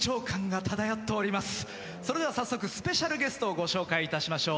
それでは早速スペシャルゲストをご紹介いたしましょう。